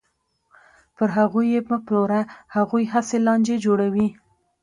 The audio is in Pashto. پر هغوی یې مه پلوره، هغوی هسې لانجې جوړوي.